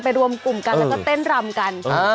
รวมกลุ่มกันแล้วก็เต้นรำกัน